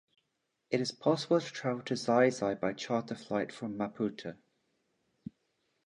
It is possible to travel to Xai-Xai by charter flight from Maputo.